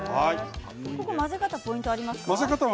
混ぜ方のポイントはありますか？